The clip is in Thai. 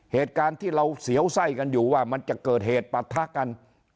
เหตุการณ์ที่เราเสียวไส้กันอยู่ว่ามันจะเกิดเหตุปะทะกัน